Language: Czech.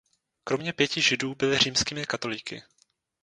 Kromě pěti židů byli římskými katolíky.